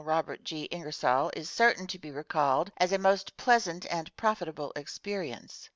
Robert G. Ingersoll is certain to be recalled as a most pleasant and profitable experience.